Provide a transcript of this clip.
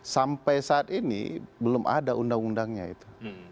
sampai saat ini belum ada undang undangnya itu